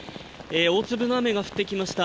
大粒の雨が降ってきました。